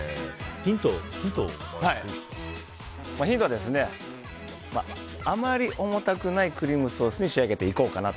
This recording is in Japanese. ヒントはあまり重たくないクリームソースに仕上げていこうかなと。